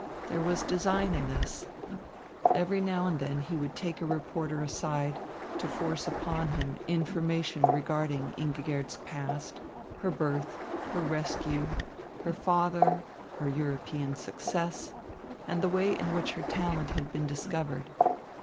There was design in this. Every now and then he would take a reporter aside to force upon him information regarding Ingigerd's past, her birth, her rescue, her father, her European success, and the way in which her talent had been discovered.